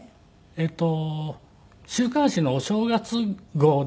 えっと週刊誌のお正月号で。